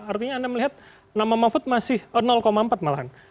artinya anda melihat nama mahfud masih empat malahan